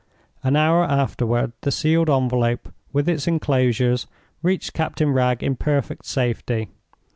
An hour afterward, the sealed envelope, with its inclosures, reached Captain Wragge in perfect safety.